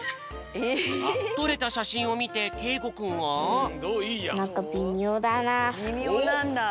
とれたしゃしんをみてけいごくんは？なんかびみょうなんだ。